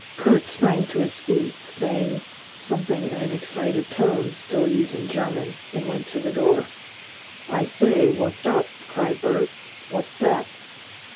Kurt sprang to his feet, saying something in an excited tone, still using German, and went to the door. "I say! What's up?" cried Bert. "What's that?"